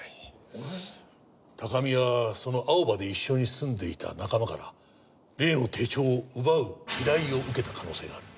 高見はそのアオバで一緒に住んでいた仲間から例の手帳を奪う依頼を受けた可能性がある。